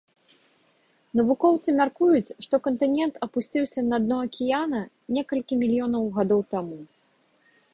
Навукоўцы мяркуюць, што кантынент апусціўся на дно акіяна некалькі мільёнаў гадоў таму.